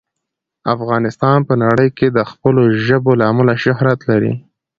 افغانستان په نړۍ کې د خپلو ژبو له امله شهرت لري.